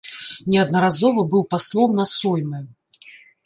Неаднаразова быў паслом на соймы.